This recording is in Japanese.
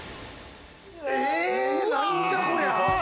え、なんじゃこりゃ！